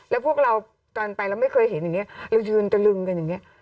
แล้วพวกเราตอนไปเราไม่เคยเห็นอย่างนี้เรายืนตะลึงกันอย่างนี้